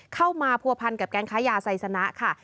เข้ามาผัวพันกับแก๊งค้ายาไซสนะค่ะ